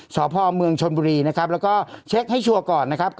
สพเมืองชนบุรีนะครับแล้วก็เช็คให้ชัวร์ก่อนนะครับ